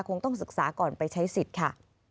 คงต้องศึกษาก่อนไปใช้สิทธิ์ค่ะ